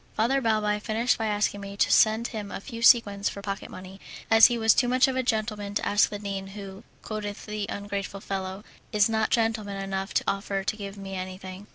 Father Balbi finished by asking me to send him a few sequins for pocket money, as he was too much of a gentleman to ask the dean who, quoth the ungrateful fellow, "is not gentleman enough to offer to give me anything."